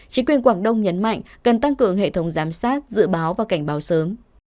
chính quyền quảng đông nhấn mạnh cần tăng cường hệ thống giám sát dự báo và cảnh báo sớm